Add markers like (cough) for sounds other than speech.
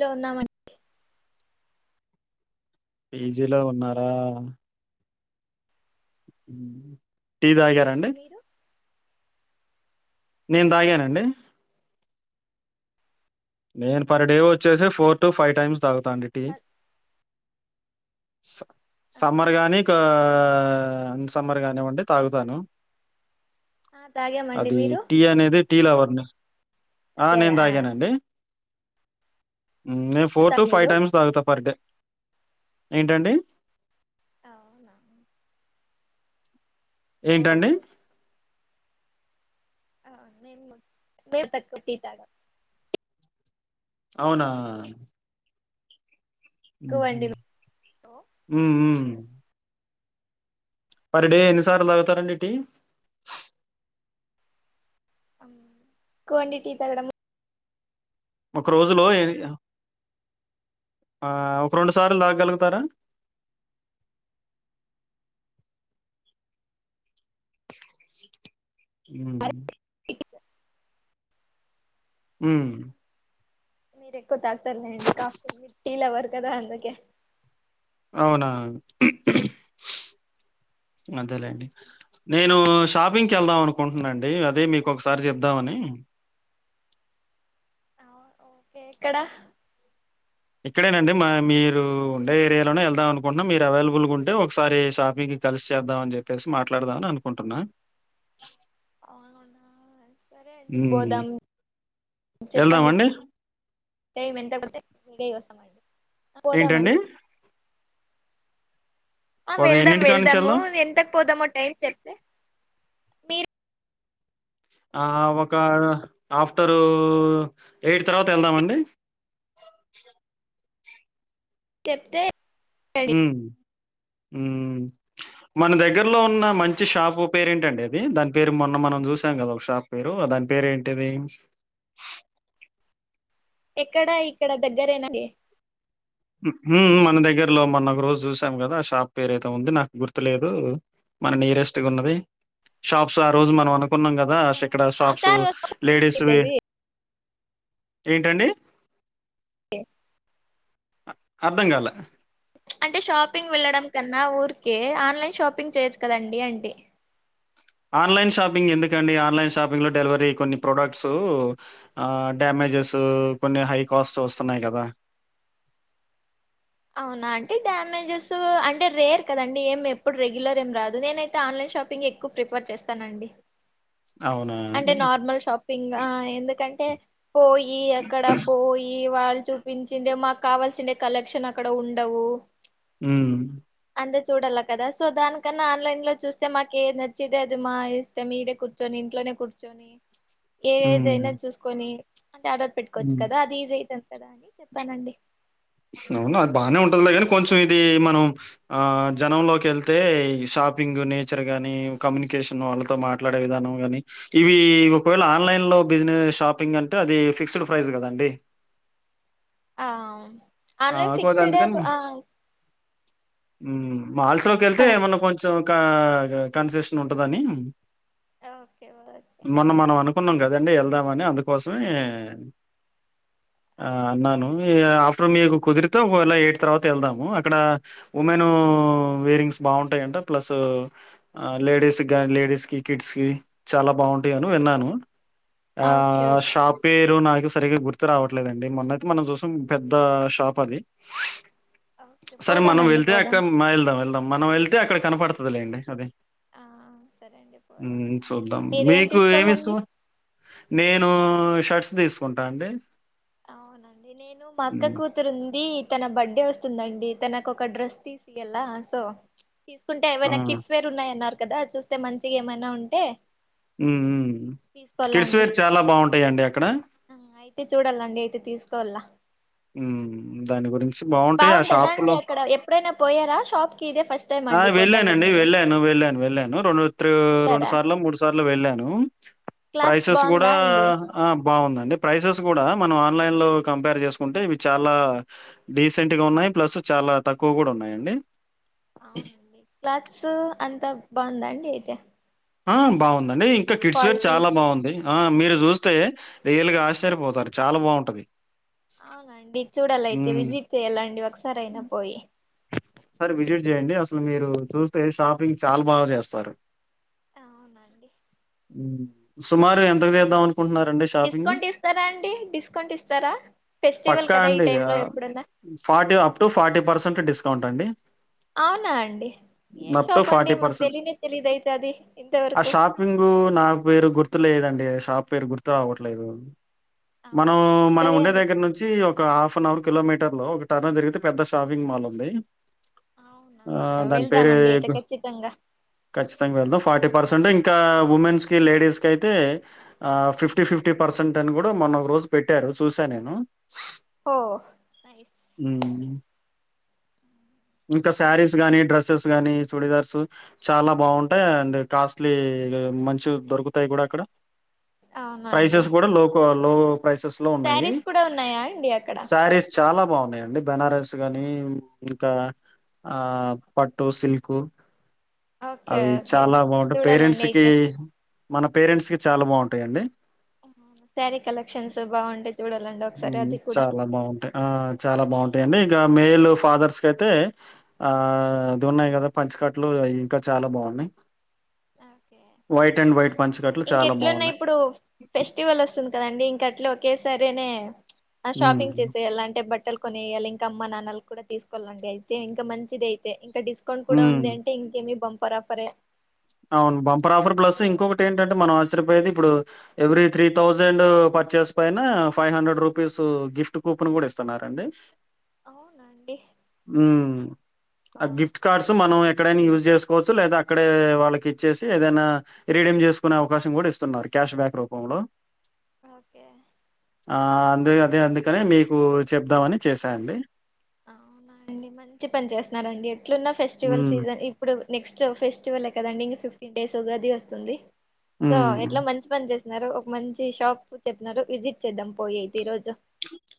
లో ఉన్నామండి పేజీలో ఉన్నారా టీ తాగారా అండి మీరు నేన్ తాగానండి నేను పర్ డే వచ్చేసి ఫోర్ టు ఫైవ్ టైమ్స్ తాగుత అండి టీ సా సమ్మర్ కాగానీ కా అవునండి అన్ సమ్మర్ కానివ్వండి తాగుతు తను ఆ తాగామండి అది మీరు టీ అనేది టీ లవర్ నీ ఆ నేను తాగారా తాగానండి ఉమ్ నేను ఫోర్ టు ఫైవ్ మీరు టైమ్స్ తాగుతా పర్ డే ఏంటండి అవునా ఏంటండి ఓకే హ మేము కూడా మేము తక్కువ టీ తాగం అవునా ఎక్కువండి ఉమ్ ఉమ్ పర్ డే ఎన్నిసార్లు తాగుతారండి టీ కోండి టీ తాగడం ఒక రోజులో ఏ ఆ ఒక రెండు సార్లు తాగగలుగుతారా అ ఉమ్ ఉమ్ మీరు ఎక్కువ తాకుతారులేండి కాఫీ మి టీ లవర్ కదా అందుకే అవునా అదేలేండి నేను శు షాపింగ్కి వెళ్దాం అనుకుంటున్నాండి అదే మీకు ఒకసారి చెప్దామని ఓకే ఎక్కడ ఇక్కడేనండి మా మీరు ఉండే ఏరియాలోనే వెళ్దాం అనుకుంటున్న మీరు అవైలబుల్గా ఉంటే ఒకసారి షాపింగ్ కలిసి చేద్దాం అని చెప్పేసి మాట్లాడదామని అనుకుంటున్నాను అను ఉన్నా (unintelligible) సరే అండి హ్మ్. పోదాం యెళ్దామా చెప్పండి అండి? టైం ఎంతత గై వస్తామండి పోదామండి ఏంటండి ఆ ఉదయం వెళ్దాం ఎన్నింటి కాడ నుంచి వెళ్దాము యెళ్దాం? ఎంతకు పోదామో టైం చెప్తే మీర్ ఆ ఒక ఆఫ్టరు ఎయిట్ తర్వాత వెళ్దామండి అ చెప్తే ఉమ్ మన దగ్గరలో ఉన్న మంచి షాపు పేరేంటండి అది దాని పేరు మొన్న మన మనం చూసాం కదా ఒక షాప్ పేరు దాని పేరు ఏంటిది ఎక్కడా ఇక్కడ దగ్గరైనా అండి మన దగ్గరలో మొన్న ఒక రోజు చూసాం కదా ఆ షాప్ పేరేదో ఉంది నాకు గుర్తులేదు మన నీయరెస్ట్ ఉన్నది షాప్స్ ఆ రోజు మనం అను కున్నాం కదా ఇక్కడ షాప్స్ కాదు ఈజీ లేడీస్వి అయితది ఏంటండి కే అర్ధం కాలే అంటే షాపింగ్ వెళ్ళడం కన్నా ఊరికే ఆన్లైన్ షాపింగ్ చేయొచ్చు కదండి అంటి ఆన్లైన్ షాపింగ్ ఎందుకండి ఆన్లైన్ షాపింగ్ లో డెలివరీ కొన్ని ప్రోడక్ట్స్ డ్యామేజ్ కొన్ని హై కాస్ట్ వస్తున్నాయి కదా (inaudible) అవునా అంటే డ్యామేజెస్ అంటే రేర్ కదండి ఏం ఎప్పుడు రెగ్యులర్ ఏం రాదు నేనైతే ఆన్లైన్ షాపింగ్ ఎక్కువ ప్రిఫర్ చేస్తానండి అవునా! అంటే నార్మల్ షాపింగ్ ఆ ఎందుకంటే పోయి అక్కడ పోయి వాళ్ళు చూపించిందే మాకు కావాల్సిండే కలెక్షన్ అక్కడ ఉండవు ఉమ్ అంతే చూడాల కదా సో దానికన్నా ఆన్లైన్ లో చూస్తే మాకు ఏ నచ్చేదే అది మా ఇష్టం ఇడే కూర్చొని ఇంట్లోనే కూర్చొని ఏ హ్మ్. ఏదైనా చూసుకొని అంటే ఆర్డర్ పెట్టుకోవచ్చు కదా అది ఈజీ అవు అవునా అది బానే ఉంటదిలేగాని కొంచం ఇది మనం ఆ జనంలోకి వెళ్తే షాపింగ్ నేచర్ గానీ కమ్యూని వాళ్ళతో మాట్లాడే విధానం గాని ఇవి ఒకవేళ ఆన్లైన్ లో బిజినెస్ షాపింగ్ అంటే అది ఫిక్స్డ్ ప్రైస్ కదండి ఆ ఆల్రెడీ ఫిక్స్డ్ డే మాల్స్ లోకి వెళ్తే ఏమన్నా కొంచెం క కన్సెషన్ ఉంటదని ఓకే ఓకే ఓకే మొన్న మనం అనుకు అనుకున్నాం కదండి వెళ్దామని అందుకోసమే ఆ అన్నాను ఇగ ఇప్పుడు మీకు కుదిరితే ఒకవేళ ఎయిట్ తర్వాత వెళ్దాము అక్కడ ఉమెన్ వేరింగ్స్ బాగుంటాయంట ప్లస్ లేడీస్ గని లేడీస్ కి కిడ్స్ కి చాలా బాగుంటాయని విన్నాను ఆ ఓకే ఓకే అండి షాపేరు నాకు సరిగా గుర్తు రావట్లేదండి మొన్నయితే మనం చూశాం ద్ద షాప్ అది ఓకే సరే మనం పోదామండి వెళ్తే పోదాం అక్క మా వెళ్దాం వెళ్దాం మనం వెళ్తే అక్కడ కనపడుతది లేండి అది ఆ సరే అండి పోదాం చూద్దాం మీరేం మీకు ఏమి తీసుకోవాలండి ఇష్టం నేను షర్ట్స్ తీసుకుంటా అండి అవునండి నేను మా అక్క హ్మ్. కూతురు ఉంది తన బర్డే వస్తు స్తుందండి తనకు ఒక డ్రెస్ తీసుకెళ్లా సో తీసుకుంటే ఆ! ఏవైనా కిడ్స్ వేర్ ఉన్నాయన్నారు కదా చూస్తే మంచిగా ఏమైనా ఉంటే ఉమ్ మ్ తీసుకోవాలా కిడ్స్ అండి వేర్ చాలా బాగుంటాయి అండి అక్కడ అయితే చూడాలండి అయితే తీసుకొల్లా హ్మ్. దాని గురించి బావుంటాయి. ఆ బాగుంటదా అండి షాపులో అక్కడ ఎప్పుడైనా పోయారా షాప్ కి ఇదే ఫస్ట్ టైం ఆ అండి పోతాండేది వెళ్ళానండి మీరు వెళ్ళాను వెళ్ళాను వెళ్ళాను రెండు త్రో రెండు వెళ్ళారా సార్లు మూడు సార్లు వెళ్ళాను క్లాత్స్ ప్రైసెస్ కూడా బాగుందా అండి ఆ బాగుంద అండి ప్రైసెస్ కూడా మనం ఆన్లైన్ లో కంపేర్ చేసుకో కుంటే ఇవి చాలా డీసెంట్ గా ఉన్నాయి ప్లస్ చాలా తక్కువ కూడా ఉన్నాయ అండి అవున అండి క్లాస్సు అంతా బావుందా అండి అయితే ఆ బావుంద అండి ఇంకా కిడ్స్ క్వాలిటీ చాలా బావుంది ఆ మీరు చూస్తే రియల్ గా ఆశ్చర్యపోతారు చాలా బావుంట అది అవున అండి చూడాలైతే విజిట్ చెయ్యాల అండి ఒకసారి అయినా పోయి ఒక సారి విజిట్ చేయఅండి అసలు మీరు చూస్తే షాపింగ్ చాలా బాగా చేస్తారు తా అవును అండి హ్మ్. సుమారు ఎంతకు జేద్దాం అనుకుంటున్నారండి షాపింగు? డిస్కౌంట్ ఇస్తారా అండి డిస్కౌంట్ ఇస్తారా ఫెస్టివల్ పక్కా కదా ఈ టైం అండి. టైమ్ లో ఆహ్, ఎప్పుడ అన్నా forty up to forty percent discount అండి అవునా అండి ఏ అప్ టు షాప్ అండి ఫార్టీ మాకు పర్సెంట్ తెలియనే తెలియదు అయితే అది ఆ ఇంతవరకు షాపింగు నా పేరు గుర్తు లేద అండ్ డే షాప్ పేరు గుర్తు రావట్లేదు మనం అవునండి మనం సరే ఉండే అండి దగ్గర నుంచి ఒక హాఫ్ అన్ అవర్ కిలోమీటర్ లో ఒక టర్న్ తిరిగితే పెద్ద షాపింగ్ మాల్ ఉంది అవునా ఆ దాని పేరే వెళ్దామండి అయితే ఏదో ఖచ్చితంగా ఖచ్చితంగా వెళ్దాం ఫార్టీ పర్సెంట్ ఇంకా ఉమెన్స్ కి లేడీస్ కి అయితే ఆ ఫిఫ్టీ ఫిఫ్టీ పర్సెంట్ అని కూడా మనం ఒక రోజు పెట్టారు రోజ్ చూశ్యా నేను ఓ హ్మ్. ఇంకా శారీస్ గానీ డ్రెస్సెస్ గానీ చూడీదార్స్ చాలా బావుంటాయి అండ్ కాస్ట్లీ ఇగ మంచి దొరుకుతాయి కూడా అక్కడ అవునా అండి ప్రైసెస్ కూడా లోప్ లో పైసెస్ లో ఉన్నాయి శారీస్ కూడా ఉన్నాయా అండి అక్కడ శారీస్ చాలా బావుం ఉన్నాయ్ అండి బెనార అస్ గాని ఇంకా ఆ పట్టు సిల్క్ ఓకే అవి ఓకే చాలా బావుంటాయి చూడాలండి పేరెంట్స్ కి అయితే మన పేరెంట్స్ కి చాలా బావుంటాయి అండి శ్యారీ కలెక్షన్స్ బావుంటే చాలా బావుంటాయి ఆ చాలా బావుంటాయి అండి ఇంకా మేయిల్ ఫాదర్స్ క అయితే ఆ ఇది ఉన్నాయి కదా పంచికట్లు ఇంకా చాలా బావుఉన్నాయి వయిట్ అండ్ వయిట్ ఇంకెట్లు ఉన్నాయి ఇప్పుడు ఫెస్టివల్ వస్తుంది కద అండి ఇంక అట్లా ఒకేసారి అనే ఆ షాపింగ్ హ్మ్. చేసేయాల్ల అంటే బట్ బట్టలు కొనేయాలి ఇంకా అమ్మ నాన్నలు కూడా తీసుకోవలఅండి అయితే ఇంకా మంచిది అయితే ఇంక డిస్కౌంట్ కూడా హ్మ్. ఉంది అంటే ఇంకేమి బంపర్ ఆఫరే అవును బంపర్ ఆఫర్ ప్లేస్ సో ఇంకొ బకటి ఏమ్ టమ్ ట్ మనం ఆశ్చయపోయేది ఇప్పుడు ఎవ్రీ త్రీ థౌజండ్ పర్చేస్ పైన five hundred rupees gift coupon గుడా ఇస్తున్నార్ అండి అవునండి అ ఆ గిఫ్ట్ కార్డ్స్ మనం ఎక్కడైనా యూజ్ చేసుకోవచ్చు లేదా అక్కడే వాళ్ళకి ఇచ్చేసి ఏదైనా రీడిమ్ చేసుకునే అవకాశం గుడా ఇస్తు ఉన్నారు క్యాష్ బ్యాక్ రూపంలో ఓకే ఆ అందే అదే అందుకనే మీకు చెప్దామని చేసా అండి అవున అండి మంచి పని చేస్తు ఉన్నారు అండి ఎట్లు ఉన్నా ఫెస్టివల్స్ హ్మ్. సీజన్ ఇప్పుడు నెక్స్ట్ ఫెస్టివల్ ఏ కద అండి ఇంకా ఫిఫ్టీన్ డేస్ ఉగాది వస్తుంది సో హ్మ్. ఎట్లా మంచి పని చేస్ స్తునారు ఒక మంచి షాప్ చెప్పినారు విజిట్ చేద్దాం మ్ పోయి ఐతే ఈ రోజు (inaudible)